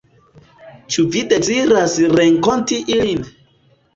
Ĉu vi deziras renkonti ilin?